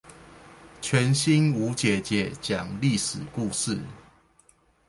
全新吳姐姐講歷史故事